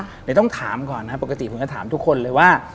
เดี๋ยวต้องถามก่อนนะครับปกติผมก็ถามทุกคนเลยว่า